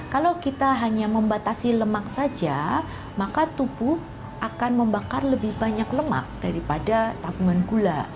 kalau kita hanya membatasi lemak saja maka tubuh akan membakar lebih banyak lemak daripada tabungan gula